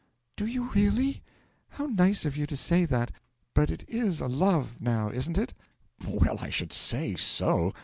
'Do you really? How nice of you to say that! But it is a love, now isn't it?' 'Well, I should say so!